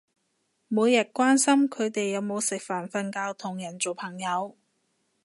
每日關心佢哋有冇食飯瞓覺同人做朋友